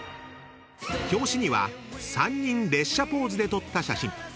［表紙には３人列車ポーズで撮った写真］